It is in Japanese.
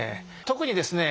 特にですね